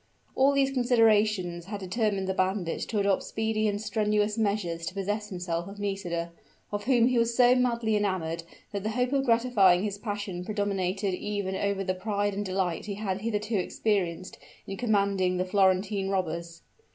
All these considerations had determined the bandit to adopt speedy and strenuous measures to possess himself of Nisida, of whom he was so madly enamored that the hope of gratifying his passion predominated even over the pride and delight he had hitherto experienced in commanding the Florentine robbers.